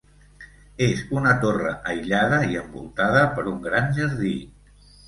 És una torre aïllada i envoltada per un gran jardí.